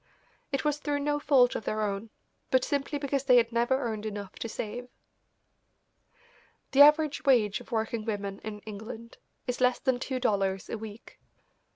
It was through no fault of their own, but simply because they had never earned enough to save. The average wage of working women in England is less than two dollars a week.